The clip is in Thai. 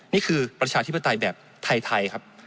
นี่คือประชาชนธิปไตยแบบไทยครับ